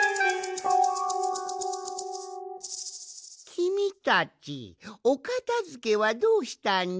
きみたちおかたづけはどうしたんじゃ？